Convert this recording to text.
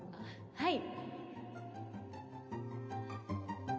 はい！